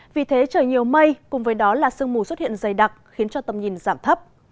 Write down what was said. vì thế trời nhiều mây cùng với đó là sương mù xuất hiện dày đặc khiến cho tầm nhìn giảm thấp